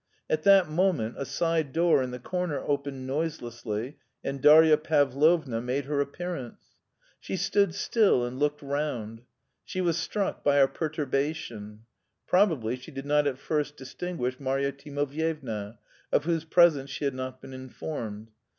At that moment a side door in the corner opened noiselessly, and Darya Pavlovna made her appearance. She stood still and looked round. She was struck by our perturbation. Probably she did not at first distinguish Marya Timofyevna, of whose presence she had not been informed.